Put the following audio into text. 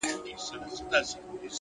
• ما لیدلي دي کوهي د غمازانو ,